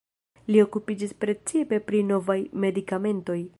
Li okupiĝis precipe pri novaj medikamentoj.